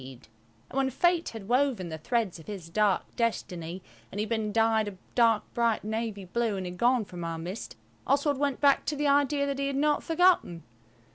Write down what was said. And when Fate had woven the threads of his dark destiny and he had been dyed a dark bright navy blue, and had gone from our midst, Oswald went back to the idea that he had not forgotten.